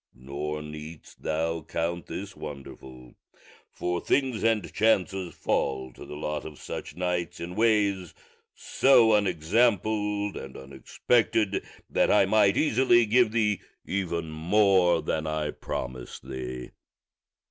Nor needst thou count this wonderful, for things and chances fall to the lot of such knights in ways so unexampled and unexpected that I might easily give thee even more than I promise thee."